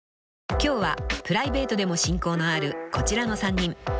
［今日はプライベートでも親交のあるこちらの３人］